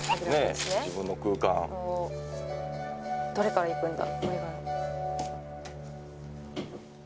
「どれからいくんだ？」